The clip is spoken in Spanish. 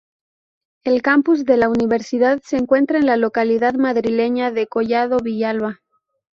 El campus de la universidad se encuentra en la localidad madrileña de Collado Villalba.